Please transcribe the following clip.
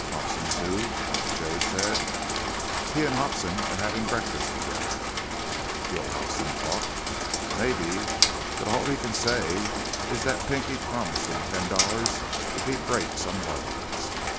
Hobson too?" Mr. Jay said. "He and Hobson are having breakfast together." "Will Hobson talk?" "Maybe. But all he can say is that Pinky promised him ten dollars if he'd break some bones.